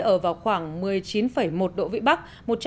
ở vào khoảng một mươi chín một độ vĩ bắc